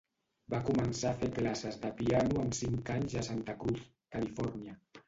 Va començar a fer classes de piano amb cinc anys a Santa Cruz, Califòrnia.